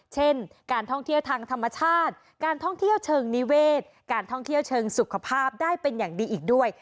เช่นการท่องเที่ยวทางธรรมชาติการท่องเที่ยวเชิงนิเวศการท่องเที่ยวเชิงสุขภาพได้เป็นอย่างดีอีกด้วย